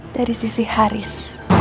dari sisi haris